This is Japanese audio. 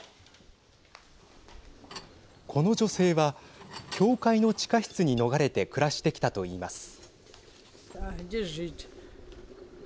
この女性は教会の地下室に逃れて暮らしてきたといいます。